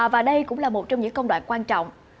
và đây cũng là một trong những công đoạn quan trọng